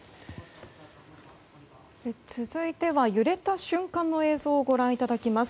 続いては揺れた瞬間の映像をご覧いただきます。